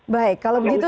baik kalau begitu